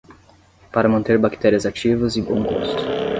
Para manter bactérias ativas e bom gosto